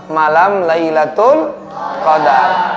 malam laylatul qadar